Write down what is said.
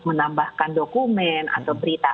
menambahkan dokumen atau berita